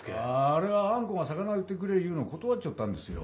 あれはあん子が魚売ってくれ言うの断っちょったんですよ。